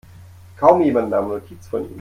Kaum jemand nahm Notiz von ihm.